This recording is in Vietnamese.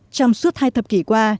trong suốt hai thập kỷ qua